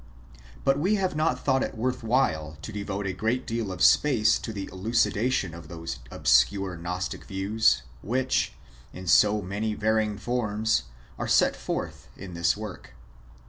But we have not thought it worth while to devote a great deal of space to the elucidation of those obscure Gnostic views which, in so many varying forms, are set forth in this work.